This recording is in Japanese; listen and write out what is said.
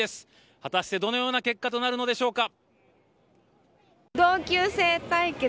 果たして、どのような結果となるのでしょうか。